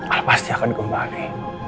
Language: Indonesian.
al pasti akan kembali